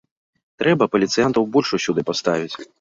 Трэба паліцыянтаў больш усюды паставіць!